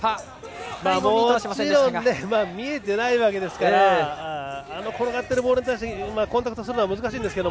もちろん見えていないわけですから転がるボールに対してコンタクトするのは難しいですが。